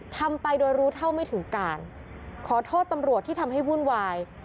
ทำไปโดยรู้เท่าไม่ถึงการขอโทษตำรวจที่ทำให้วุ่นวาย